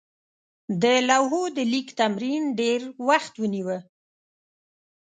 د لوحو د لیک تمرین ډېر وخت ونیوه.